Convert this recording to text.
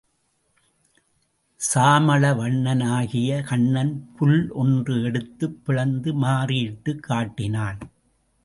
சாமள வண்ணனாகிய கண்ணன் புல் லொன்று எடுத்துப் பிளந்து மாறியிட்டுக் காட்டினான்.